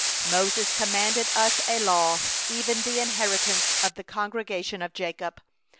4Moses commanded us a law, An inheritance of the congregation of Jacob.